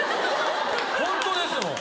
ホントですもん。